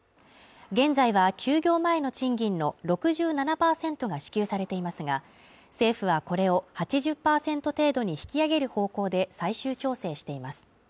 現在は休業前の賃金の６７％が支給されていますが、政府はこれを８０％程度に引き上げる方向で最終調整しています。